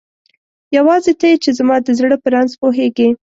یواځی ته یی چی زما د زړه په رنځ پوهیږی